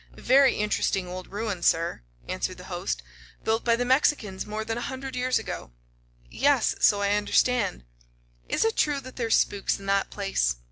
"Very interesting old ruin, sir," answered the host. "Built by the Mexicans more than a hundred years ago." "Yes, so I understand." "Is it true that there's spooks in that place?"